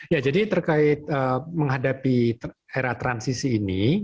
ya jadi terkait menghadapi era transisi ini